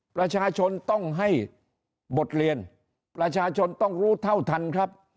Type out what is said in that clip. ประชาชนต้องให้บทเรียนประชาชนต้องรู้เท่าทันครับ